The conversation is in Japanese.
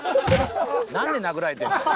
何で殴られてんだよ